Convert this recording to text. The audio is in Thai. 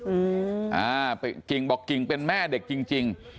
อืมอ่ากิ่งบอกกิ่งเป็นแม่เด็กจริงจริง